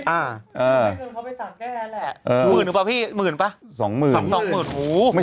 ไม่ใช่เกินเขาไปสักแก้แหละ